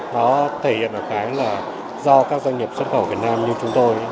nó thể hiện ở cái là do các doanh nghiệp xuất khẩu việt nam như chúng tôi